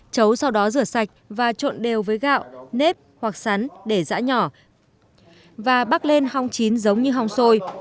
chấu sau đó rửa sạch và trộn đều với gạo nếp hoặc sắn để dã nhỏ và bắt lên hong chín giống như hong xôi